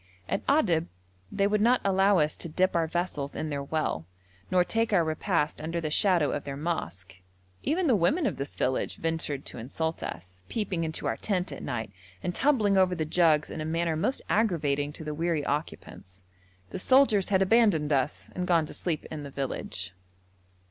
At Adab they would not allow us to dip our vessels in their well, nor take our repast under the shadow of their mosque: even the women of this village ventured to insult us, peeping into our tent at night, and tumbling over the jugs in a manner most aggravating to the weary occupants. The soldiers had abandoned us and gone to sleep in the village.